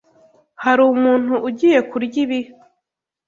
Hari umuntu ugiye kurya ibi?